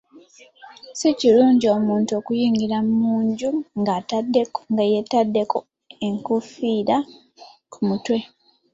Si kirungi omuntu okuyingira mu nju nga yeetaddeko enkufiira ku mutwe.